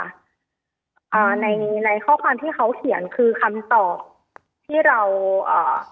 อ่าในในข้อความที่เขาเขียนคือคำตอบที่เราอ่า